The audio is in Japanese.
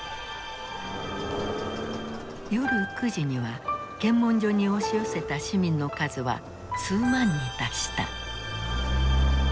夜９時には検問所に押し寄せた市民の数は数万に達した。